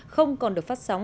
không còn được phát sóng